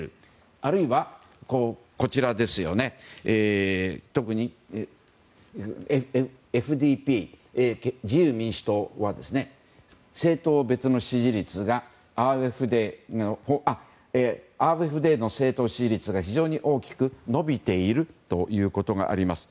あるいはこちら、特にＦＤＰ自由民主党は政党別の支持率ですがＡｆＤの政党支持率が非常に大きく伸びているということがあります。